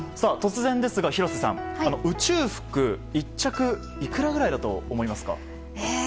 突然ですが広瀬さん宇宙服、１着いくらぐらいだと思いますか？